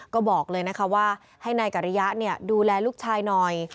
ก็บอกเลยนะคะว่าให้นายกริยะดูแลลูกชายหน่อย